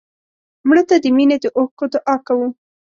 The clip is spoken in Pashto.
مړه ته د مینې د اوښکو دعا کوو